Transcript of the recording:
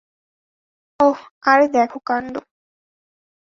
ওহ, আরে, দেখো কান্ড।